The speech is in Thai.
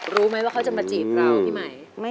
รู้ไหมว่าเขาจะมาจีบเราพี่ไหม